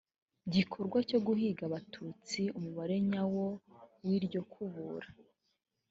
gikorwa cyo guhiga abatutsi umubare nyawo w iryo kubura